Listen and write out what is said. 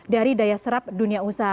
dari daya serap dunia usaha